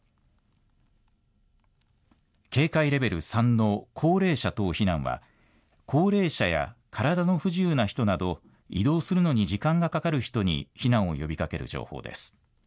警戒レベル３の高齢者等避難は高齢者や体の不自由な人など移動するのに時間がかかる人に避難を呼びかける情報です。